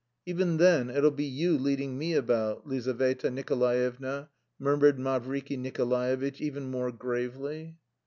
"Even then it'll be you leading me about, Lizaveta Nikolaevna," murmured Mavriky Nikolaevitch, even more gravely.